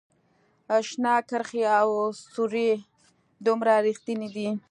شنه کرښې او سورې دومره ریښتیني دي